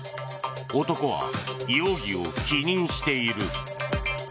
男は容疑を否認している。